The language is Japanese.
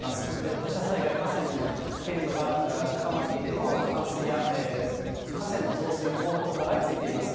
土砂災害、河川の危険度が高まっていて、道路の冠水や河川の増水の報告が相次いでいます。